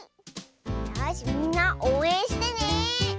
よしみんなおうえんしてね。